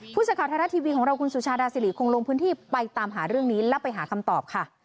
ผู้สื่อข่าวไทยรัฐทีวีของเราคุณสุชาดาสิริคงลงพื้นที่ไปตามหาเรื่องนี้และไปหาคำตอบค่ะ